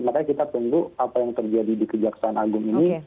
makanya kita tunggu apa yang terjadi di kejaksaan agung ini